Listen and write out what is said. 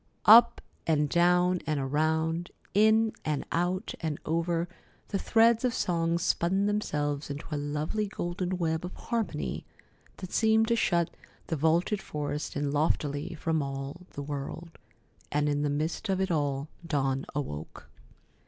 Up and down and around, in and out and over, the threads of song spun themselves into a lovely golden web of harmony that seemed to shut the vaulted forest in loftily from all the world, and in the midst of it all Dawn awoke.